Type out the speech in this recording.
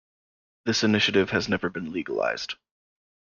This initiative has never been legalised.